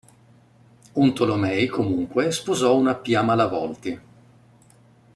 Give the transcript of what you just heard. Un Tolomei, comunque, sposò una Pia Malavolti.